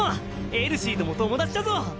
エルシーとも友達だぞ！